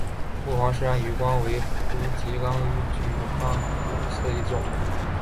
皇穆氏暗光鱼为辐鳍鱼纲巨口鱼目褶胸鱼科的其中一种。